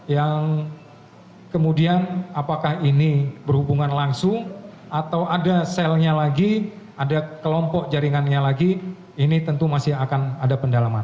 yang kemudian apakah ini berhubungan langsung atau ada selnya lagi ada kelompok jaringannya lagi ini tentu masih akan ada pendalaman